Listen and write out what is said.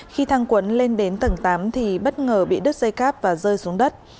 khi thang cuốn lên đến tầng tám thì bất ngờ bị đứt dây cáp và rơi xuống đất